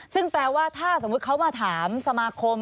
ซึ่งแปลว่าถ้าสมมุติเขามาถามสมาคม